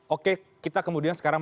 oke kita kemudian sekarang